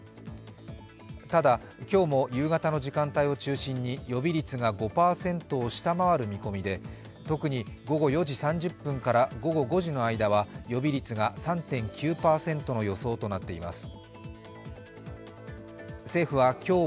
ただ、今日も夕方の時間帯を中心に予備率が５％を下回る見込みで特に午後４時３０分から午後５時の間は予備率が３．９％の予想となっています。